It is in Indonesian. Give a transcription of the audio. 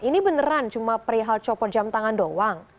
ini beneran cuma perihal copot jam tangan doang